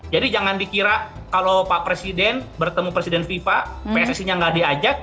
jadi jangan dikira kalau pak presiden bertemu presiden fifa pssi nya tidak diajak